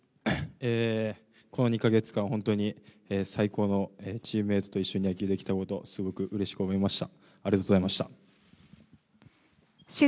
この２か月間、本当に最高のチームメートと一緒に野球できたこと、すごくうれしく思いました。